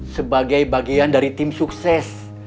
sebagai bagian dari tim sukses